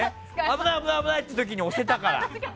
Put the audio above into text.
危ない！っていう時に押せたから。